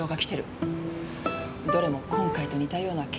どれも今回と似たようなケース。